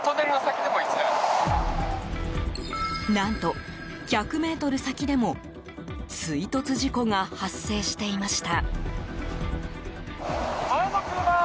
何と、１００ｍ先でも追突事故が発生していました。